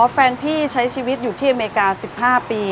แฟนพี่ใช้ชีวิตอยู่ที่อเมริกา๑๕ปี